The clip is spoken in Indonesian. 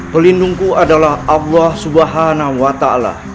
pelindungku adalah allah subhanahu wa ta'ala